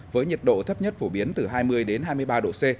với nhiệt độ thấp nhất phổ biến từ hai mươi đến hai mươi ba độ c